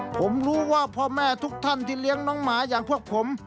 ผมรู้ว่าพ่อแม่ทุกท่านที่เลี้ยงน้องหมาอย่างพวกผม